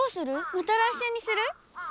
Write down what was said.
また来週にする？